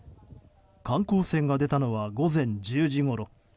観光船が出たのは午前１０時ごろ。